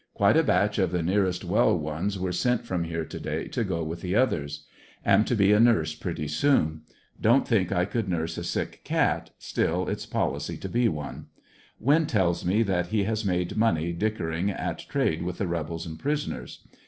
Quite a batch of the nearest well ones were sent from here to day to go with the others. Am to be a nurse pretty soon Don't think I could nurse a sick cat, still it's policy to be one, Winn tells me that he has made money dick ering at trade with the rebels and prisoners.